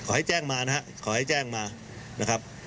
ขอให้แจ้งมานะครับ